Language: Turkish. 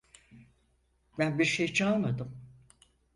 Ben bir şey çalmadım.